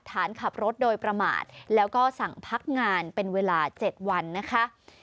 ฐานขับรถโดยประมาทแล้วก็สั่งพักงานเป็นเวลา๗วันนะคะ